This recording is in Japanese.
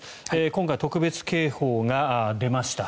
今回、特別警報が出ました。